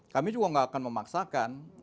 kami juga nggak akan memaksakan